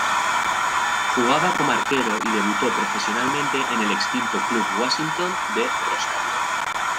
Jugaba como arquero y debutó profesionalmente en el extinto Club Washington de Rosario.